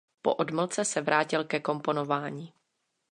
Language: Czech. Po odmlce se vrátil ke komponování.